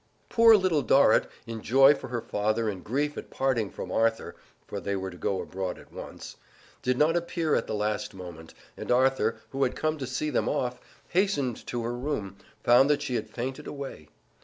Poor Little Dorrit, in joy for her father and grief at parting from Arthur (for they were to go abroad at once), did not appear at the last moment, and Arthur, who had come to see them off, hastening to her room, found that she had fainted away.